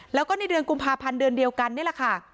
แล้วก็ในเดือนกุมภาพันธ์เดือนเดียวกันนี่แหละค่ะ